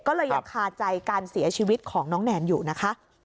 ก็เลยยังคาใจการเสียชีวิตของน้องแนนอยู่นะคะ